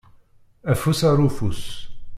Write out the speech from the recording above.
Afus ar ufus.